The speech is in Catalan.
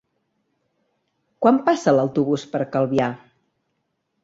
Quan passa l'autobús per Calvià?